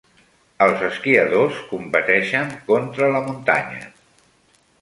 Els esquiadors competeixen contra la muntanya.